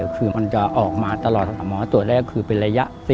คือมันจะออกมาตลอดหมอตรวจได้ก็คือเป็นระยะ๔